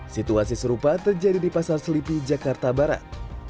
situasi serupa terjadi di pasar selipi jakarta barat